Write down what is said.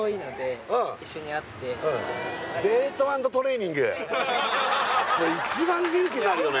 はい一番元気なるよね